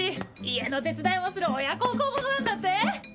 家の手伝いもする親孝行者なんだって？